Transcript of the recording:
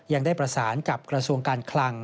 ยังได้ประสานกับกระทรวงการคลัง